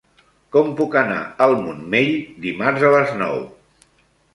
Com puc anar al Montmell dimarts a les nou?